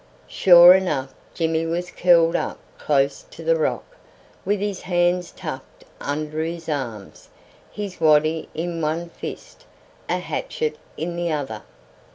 Sure enough Jimmy was curled up close to the rock, with his hands tucked under his arms, his waddy in one fist, a hatchet in the other.